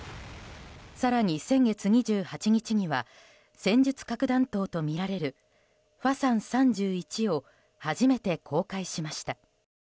更に先月２８日には戦術核弾頭とみられる火山３１を初めて公開しました。